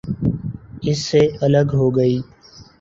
اس سے الگ ہو گئی۔